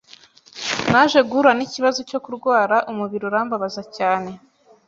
naje guhura n’ikibazo cyo kurwara umubiri urambabaza cyane